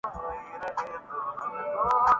ہمارا معاشرہ ماڈرن ہے۔